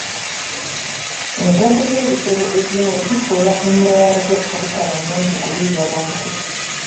Endwadde z'ebisolo ezimu zifuula ennya yaazo obutaba nnungi kuliibwa bantu.